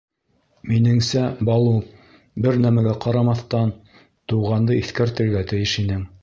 — Минеңсә, Балу, бер нәмәгә ҡарамаҫтан, Туғанды иҫкәртергә тейеш инең.